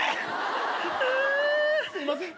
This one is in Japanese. すいません。